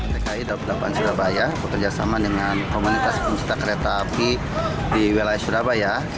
pt kai daob delapan surabaya bekerjasama dengan komunitas pencipta kereta api di wilayah surabaya